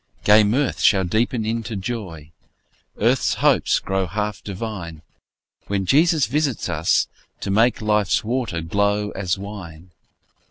Gay mirth shall deepen into joy, Earth's hopes grow half divine, When Jesus visits us, to make Life's water glow as wine.